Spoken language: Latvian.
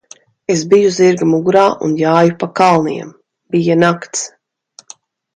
Es biju zirga mugurā un jāju pa kalniem. Bija nakts.